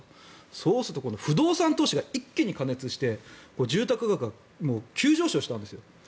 そうすると今度不動産投資が一気に過熱して住宅価格が急上昇したんです。